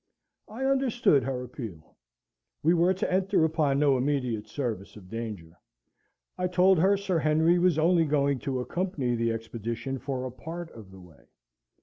I understood her appeal. We were to enter upon no immediate service of danger; I told her Sir Henry was only going to accompany the expedition for a part of the way.